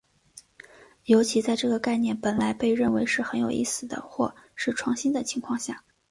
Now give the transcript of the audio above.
尤其在这个概念本来被认为是很有意思的或是创新的情况下。